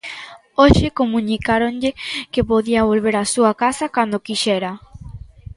Hoxe comunicáronlle que podía volver á súa casa cando quixera.